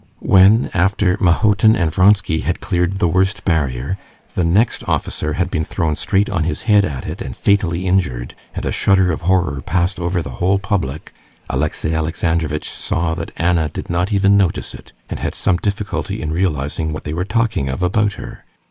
When, after Mahotin and Vronsky had cleared the worst barrier, the next officer had been thrown straight on his head at it and fatally injured, and a shudder of horror passed over the whole public, Alexey Alexandrovitch saw that Anna did not even notice it, and had some difficulty in realizing what they were talking of about her.